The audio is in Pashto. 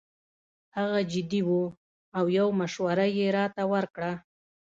هغه جدي وو او یو مشوره یې راته ورکړه.